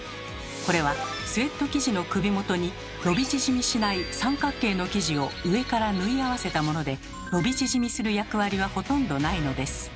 これはスウェット生地の首元に伸び縮みしない三角形の生地を上から縫い合わせたもので伸び縮みする役割はほとんどないのです。